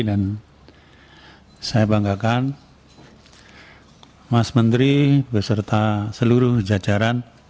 dan saya banggakan mas menteri beserta seluruh jajaran